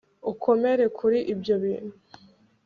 ukomere kuri ibyo bintu